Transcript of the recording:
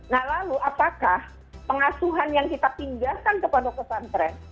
nah lalu apakah pengasuhan yang kita pindahkan kepada pesantren